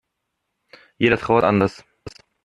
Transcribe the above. Jeder trauert anders.